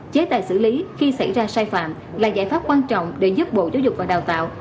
chế tài xử lý khi xảy ra sai phạm là giải pháp quan trọng để giúp bộ giáo dục và đào tạo